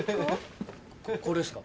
これですか？